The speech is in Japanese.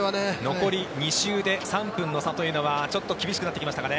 残り２周で３分の差というのはちょっと厳しくなってきましたかね。